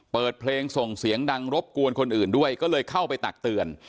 เปิดเพลงส่งเสียงดังรบกวนคนอื่นด้วยก็เลยเข้าไปตักเตือน